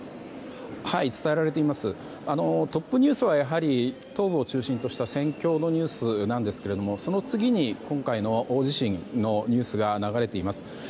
トップニュースはやはり東部を中心とした戦況のニュースなんですけどその次に今回の大地震のニュースが流れています。